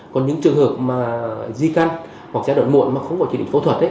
còn những trường hợp mà di căn hoặc giai đoạn muộn mà không có chỉ định phẫu thuật